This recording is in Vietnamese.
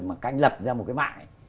mà anh ấy lập ra một cái mạng ấy